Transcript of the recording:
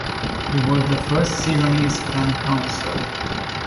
He was the first Ceylonese Crown Counsel.